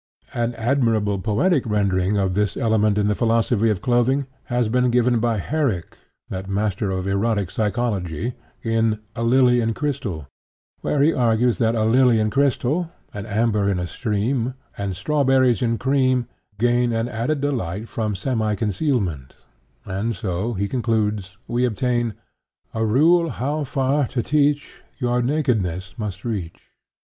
An admirable poetic rendering of this element in the philosophy of clothing has been given by Herrick, that master of erotic psychology, in "A Lily in Crystal," where he argues that a lily in crystal, and amber in a stream, and strawberries in cream, gain an added delight from semi concealment; and so, he concludes, we obtain "A rule, how far, to teach, Your nakedness must reach."